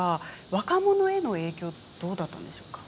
若者への影響どうだったんでしょうか？